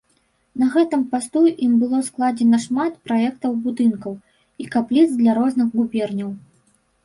На гэтым пасту ім было складзена шмат праектаў будынкаў і капліц для розных губерняў.